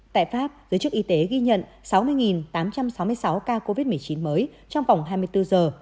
tại pháp giới chức y tế ghi nhận sáu mươi tám trăm sáu mươi sáu ca covid một mươi chín mới trong vòng hai mươi bốn giờ